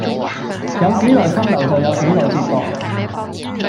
有幾耐風流就有幾耐折墮